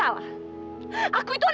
ya paham itu pas